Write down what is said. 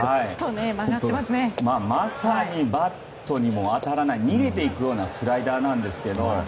まさにバットにも当たらない逃げていくようなスライダーなんですけど。